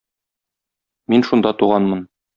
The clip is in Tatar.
Мин шунда туганмын.